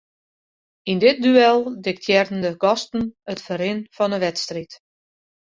Yn dit duel diktearren de gasten it ferrin fan 'e wedstriid.